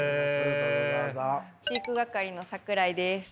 飼育係の桜井です。